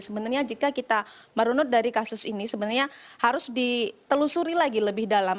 sebenarnya jika kita merunut dari kasus ini sebenarnya harus ditelusuri lagi lebih dalam